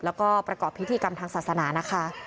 แล้วก็ประกอบพิธีกรรมทางศาสนานะคะ